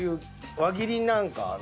輪切りなんかな？